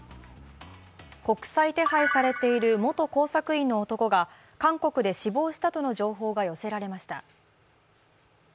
国際手配されている元工作員の男が韓国で死亡したとの情報が寄せられました。